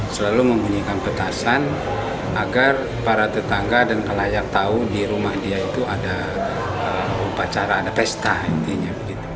selalu membunyikan petasan agar para tetangga dan pelayak tahu di rumah dia itu ada upacara ada pesta intinya